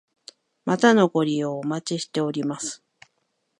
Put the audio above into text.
またのご利用お待ちしております。